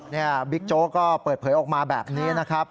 นี่บิ๊กโจ๊กก็เปิดเผยออกมาแบบนี้นะครับ